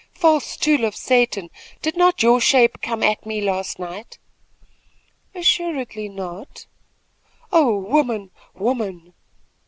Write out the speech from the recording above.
"False tool of Satan! Did not your shape come at me last night?" "Assuredly not." "Oh woman, woman!